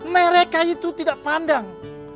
mereka itu tidak pandang